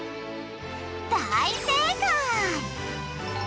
大正解！